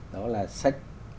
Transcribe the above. đó là sách giấy